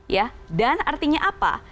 ya dan artinya apa